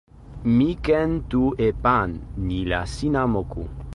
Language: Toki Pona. mi ken tu e pan. ni la sina moku.